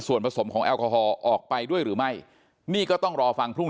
ส่วนผสมของแอลกอฮอล์ออกไปด้วยหรือไม่นี่ก็ต้องรอฟังพรุ่ง